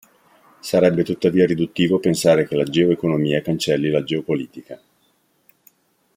Sarebbe tuttavia riduttivo pensare che la geo-economia cancelli la geopolitica.